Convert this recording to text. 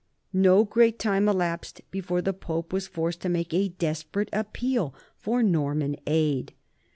No great time elapsed before the Pope was forced to make a desperate appeal for Norman aid.